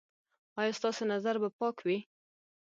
ایا ستاسو نظر به پاک وي؟